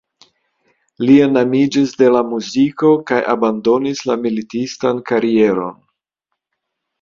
Li enamiĝis de la muziko kaj abandonis la militistan karieron.